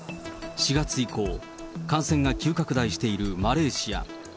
４月以降、感染が急拡大しているマレーシア。